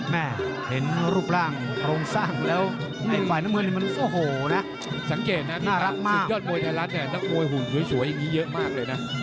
แม่เห็นรูปร่างโครงสร้างแล้วในฝ่ายน้ำเงินนี่มันโอ้โหนะสังเกตนะน่ารักมากสุดยอดมวยไทยรัฐเนี่ยนักมวยหุ่นสวยอย่างนี้เยอะมากเลยนะ